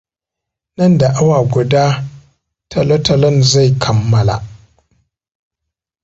Nan da awa guda talotalon zai kammala.